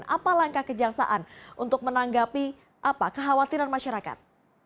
apa langkah kejaksaan untuk menanggapi apa kekhawatiran masyarakat